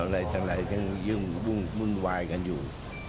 ทางไหลยุ่งบุญวายกันอยู่